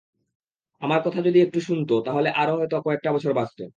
আমার কথা যদি একটু শুনত, তাহলে হয়তো আরও কয়েকটা বছর বাঁচত।